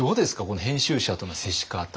この編集者との接し方。